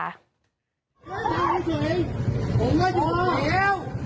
กลรภาพสมรรถ